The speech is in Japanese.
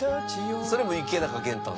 それも『池中玄太』の？